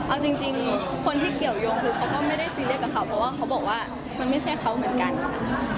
เอาจริงคนที่เกี่ยวยงคือเขาก็ไม่ได้ซีเรียสกับเขาเพราะว่าเขาบอกว่ามันไม่ใช่เขาเหมือนกันค่ะ